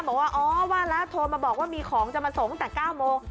บอกว่าอ๋อว่าแล้วโทรมาบอกว่ามีของจะมาส่งตั้งแต่๙โมง